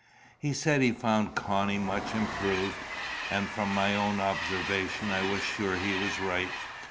He said he found Connie much improved; and, from my own observations, I was sure he was right.